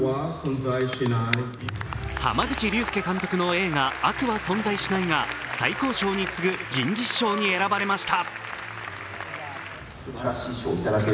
濱口竜介監督の映画「悪は存在しない」が最高賞に次ぐ銀獅子賞に選ばれました。